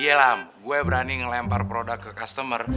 iya lam gue berani ngelempar produk ke customer